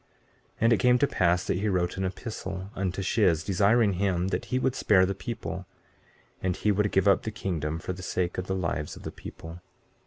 15:4 And it came to pass that he wrote an epistle unto Shiz, desiring him that he would spare the people, and he would give up the kingdom for the sake of the lives of the people.